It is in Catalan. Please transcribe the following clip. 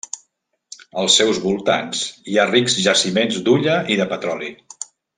Als seus voltants hi ha rics jaciments d’hulla i de petroli.